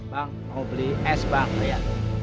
bang mau beli es banget ya